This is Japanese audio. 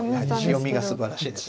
読みがすばらしいです。